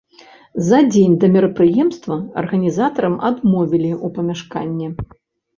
За дзень да мерапрыемства арганізатарам адмовілі ў памяшканні.